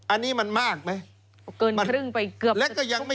อันนี้มันมากไหมเกินครึ่งไปเกือบสักทุกจังหวัด